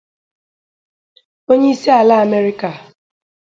onye isi ala Amerịka